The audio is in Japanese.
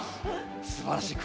すばらしい。